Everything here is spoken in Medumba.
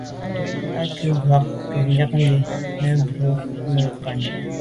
Á cúp mbə̄ mbā gə̀ yɑ́nə́ à' yɑ́nə́ mɛ̀n gə̀ rə̌ nə̀ lódə́ mû' kání.